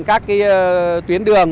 các tuyến đường